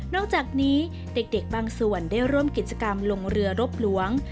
อกจากนี้เด็กบางส่วนได้ร่วมกิจกรรมลงเรือรบหลวง